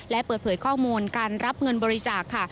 และเปิดเผยข้อมูลการรับเงินบริจาคค่ะ